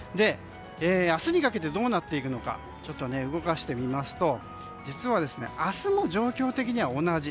明日にかけてどうなっているのか動かしてみますと実は明日も状況的には同じ。